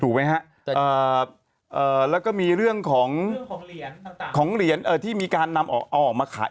ไหมฮะแล้วก็มีเรื่องของเหรียญที่มีการนำออกมาขาย